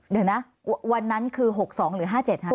เดี๋ยวนะวันนั้นคือ๖๒หรือ๕๗ค่ะ